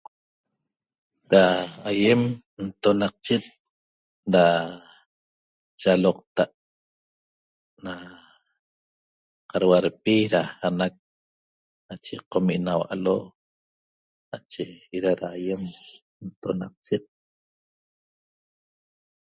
Da aýem ntonaqchet da yaloqta't da qaduardpi da anac nache qomi' naua'lo nache eda da aýem ntonaqchet